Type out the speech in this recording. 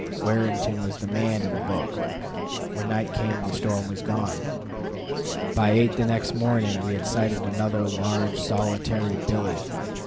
Warrington was the man in the book. When night came the storm was gone. By eight the next morning we had sighted another large solitary billy.